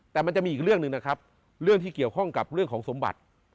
แต่มันจะมีอีกเรื่องหนึ่งนะครับเรื่องที่เกี่ยวข้องกับเรื่องของสมบัติ